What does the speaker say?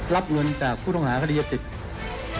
รับรวมจากผู้ต้องหาคติศิษฐ์